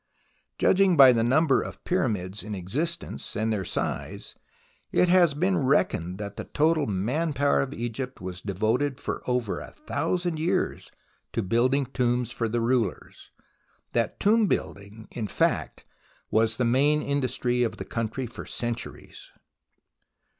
Judging by the number of Pyramids in existence and their size, it has been reckoned that the total man power of Egypt was devoted for over a thou sand years to building tombs for the rulers, that tomb building, in fact, was the main industry of the country for centuries.